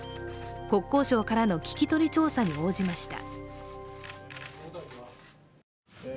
国交省からの聞き取り調査に応じました。